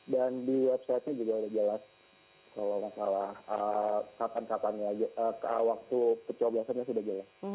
dan di website nya juga sudah jelas kalau masalah kapan kapan ya waktu pencoblosannya sudah jelas